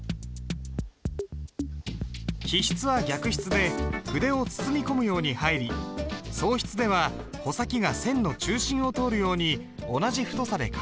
起筆は逆筆で筆を包み込むように入り送筆では穂先が線の中心を通るように同じ太さで書く。